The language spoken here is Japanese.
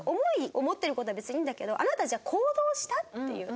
思ってる事は別にいいんだけど「あなたじゃあ行動した？」っていう。